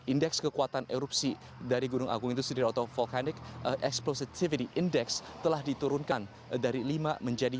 indeks kekuatan erupsi dari gunung agung itu sendiri atau volcanic explosivity index telah diturunkan dari lima menjadi tiga